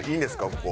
ここ。